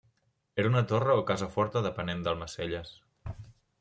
Era una torre o casa forta depenent d'Almacelles.